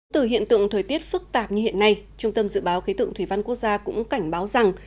từ hiện tượng thời tiết phức tạp như hiện nay trung tâm dự báo khí tượng thủy văn quốc gia cũng cảnh báo rằng